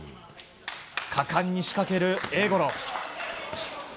果敢に仕掛ける英五郎。